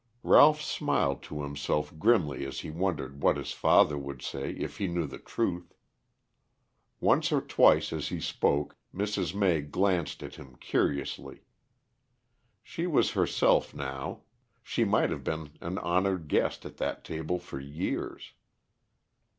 Ralph smiled to himself grimly as he wondered what his father would say if he knew the truth. Once or twice as he spoke Mrs. May glanced at him curiously. She was herself now; she might have been an honored guest at that table for years.